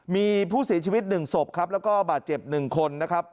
มีผู้เสียชีวิต๑ศพครับแล้วก็บาดเจ็บ๑คนนะครับ